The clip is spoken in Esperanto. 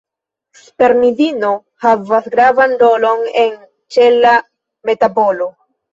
Spermidino havas gravan rolon en ĉela metabolo.